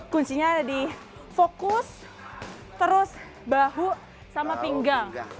kuncinya ada di fokus terus bahu sama pinggang